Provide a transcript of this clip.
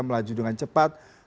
melajari keuntungan ekonomi indonesia